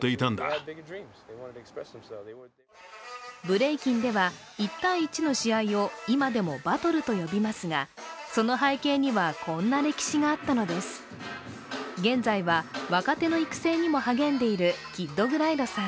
ブレイキンでは１対１の試合を今でもバトルと呼びますがその背景には、こんな歴史があったのです。